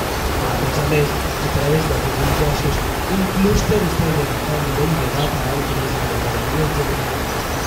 A més a més, a través d'aquests enllaços, un clúster està inevitablement lligat a altres i a l'economia general.